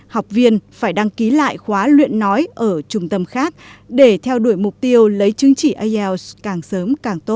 học viên phải đăng ký lại khóa luyện nói ở trung tâm khác để theo đuổi mục tiêu lấy chứng chỉ ielts càng tốt